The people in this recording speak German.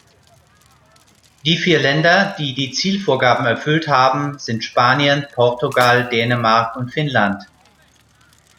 Die vier Länder, die die Zielvorgaben erfüllt haben, sind Spanien, Portugal, Dänemark und Finnland.